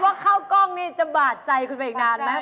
ข้าวกล้องนี่จะบาดใจคุณไปอีกนานไหม